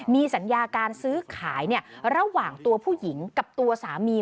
มีสัญญาการซื้อขายระหว่างตัวผู้หญิงกับตัวสามี